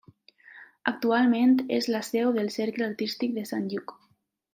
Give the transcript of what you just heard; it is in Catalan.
Actualment és la seu del Cercle Artístic de Sant Lluc.